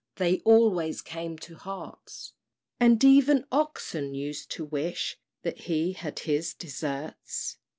They always came to Herts; And even Oxon used to wish That he had his deserts.